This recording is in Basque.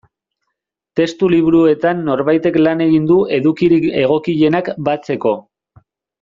Testu liburuetan norbaitek lan egin du edukirik egokienak batzeko.